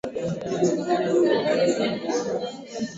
Kutokana na Uchache wa ufaham miko mingi TAnzania hailimi viazi lishe